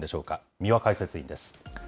三輪解説委員です。